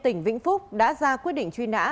tỉnh vĩnh phúc đã ra quyết định truy nã